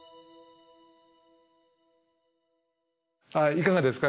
いかがですか？